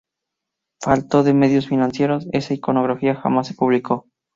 Falto de medios financieros, esa iconografía jamás se publicó.